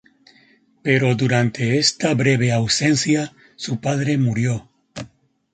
Pero durante esta breve ausencia, su padre murió.